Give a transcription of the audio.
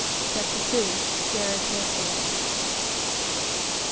CHAPTER II. SARAH PURFOY.